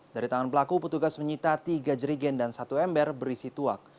dari tangan pelaku petugas menyita tiga jerigen dan satu ember berisi tuak